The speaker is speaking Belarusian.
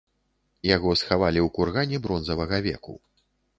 Яго схавалі ў кургане бронзавага веку.